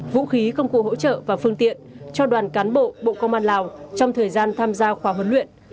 vũ khí công cụ hỗ trợ và phương tiện cho đoàn cán bộ bộ công an lào trong thời gian tham gia khóa huấn luyện